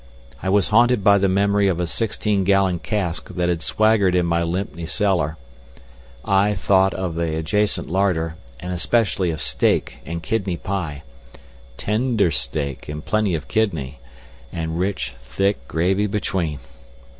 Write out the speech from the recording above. I was haunted by the memory of a sixteen gallon cask that had swaggered in my Lympne cellar. I thought of the adjacent larder, and especially of steak and kidney pie—tender steak and plenty of kidney, and rich, thick gravy between.